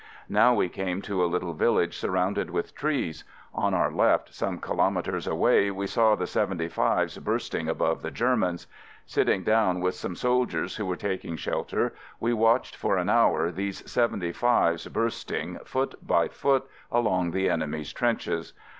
Now we came to a little village sur rounded with trees. On our left, some kilo metres away, we saw the " 75's " bursting above the Germans. Sitting down with some soldiers who were taking shelter, we watched for an hour these "75's" burst ing, foot by foot, along the enemy's trenches.